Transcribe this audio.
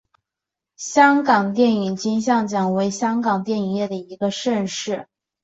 香港电影金像奖为香港电影业的一大盛事。